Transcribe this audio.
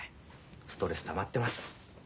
ストレスたまってます。